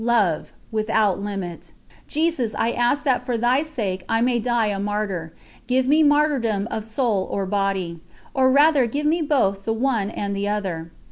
... Love without limit. Jesus, I ask that for Thy sake I may die a Martyr; give me martyrdom of soul or body. Or rather give me both the one and the other.